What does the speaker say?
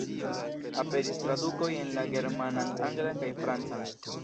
Aperis tradukoj en la germanan, anglan kaj francan.